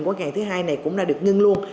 của ngày thứ hai này cũng đã được ngưng luôn